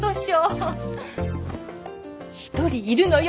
１人いるのよ。